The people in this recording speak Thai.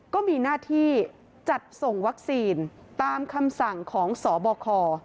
ก็มีหน้าที่จัดส่งวัคซีนตามคำสั่งของสบค